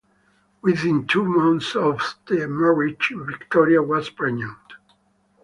Within two months of the marriage, Victoria was pregnant.